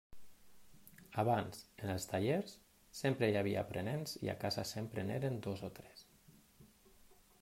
Abans, en els tallers, sempre hi havia aprenents i a casa sempre n'eren dos o tres.